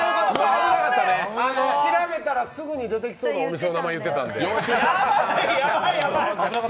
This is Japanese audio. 調べたらすぐに出てきそうなお店の名前言ってたんで。